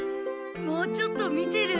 もうちょっと見てる。